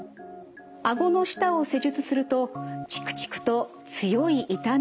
顎の下を施術するとチクチクと強い痛みを感じました。